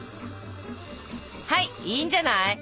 はいいいんじゃない。